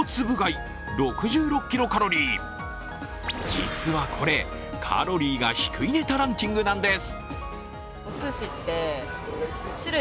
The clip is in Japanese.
実はこれ、カロリーが低いネタランキングなんです。